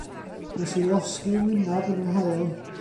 Wnes i losgi 'y ngwynab yn yr haul.